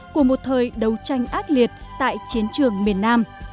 của một thời đấu tranh ác liệt tại chiến trường miền nam